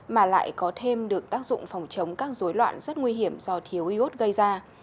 mà lại có thêm được tác dụng phòng chống các dối loạn rất nguy hiểm do thiếu iốt gây ra